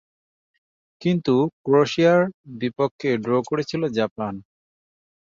কিন্তু ক্রোয়েশিয়ার বিপক্ষে ড্র করেছিল জাপান।